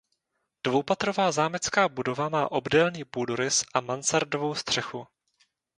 Dvoupatrová zámecká budova má obdélný půdorys a mansardovou střechu.